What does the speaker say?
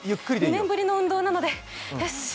２年ぶりの運動なので。